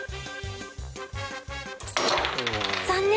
残念！